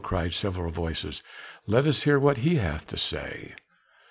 cried several voices. "Let us hear what he hath to say."